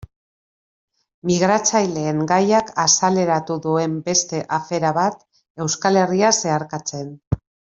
Migratzaileen gaiak azaleratu duen beste afera bat, Euskal Herria zeharkatzen.